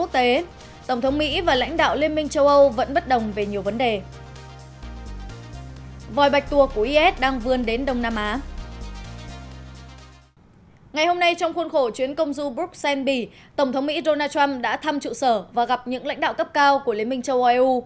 tâm đã thăm trụ sở và gặp những lãnh đạo cấp cao của liên minh châu âu eu